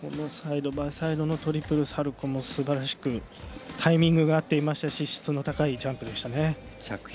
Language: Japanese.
サイドバイサイドのトリプルサルコーもすばらしくタイミングが合っていましたし質の高いジャンプでした。